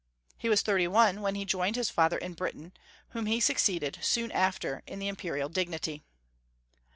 He was thirty one when he joined his father in Britain, whom he succeeded, soon after, in the imperial dignity.